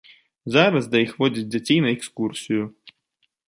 Зараз да іх водзяць дзяцей на экскурсію.